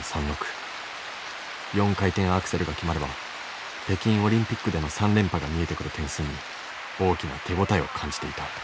４回転アクセルが決まれば北京オリンピックでの３連覇が見えてくる点数に大きな手応えを感じていた。